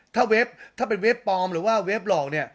ถ้าเว็บถ้าเป็นเว็บปลอมหรือว่าเว็บหลอกเนี่ย